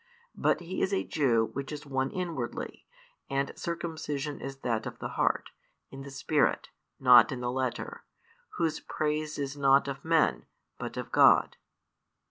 But he is a Jew, which is one inwardly: and circumcision is that of the heart, in the spirit, not in the letter; whose praise is not of men, but of God.